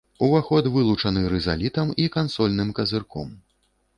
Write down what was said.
Уваход вылучаны рызалітам і кансольным казырком.